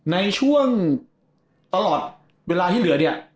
ในช่วงตลอดเวลาที่เหลือเนี่ย